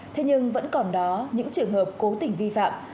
thế nhưng vẫn còn đó những trường hợp cố tình vi phạm